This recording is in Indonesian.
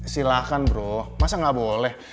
silahkan bro masa nggak boleh